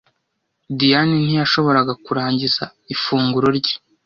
Diyane ntiyashoboraga kurangiza ifunguro rye.